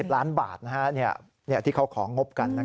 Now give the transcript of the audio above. ล้านบาทที่เขาของงบกัน